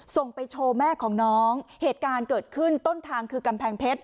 ส่งไปโชว์แม่ของน้องเหตุการณ์เกิดขึ้นต้นทางคือกำแพงเพชร